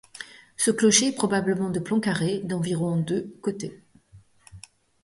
Ce clocher est probablement de plan carré d'environ de côté.